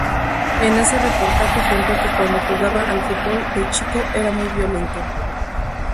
En ese reportaje contó que cuando jugaba al fútbol de chico era muy violento.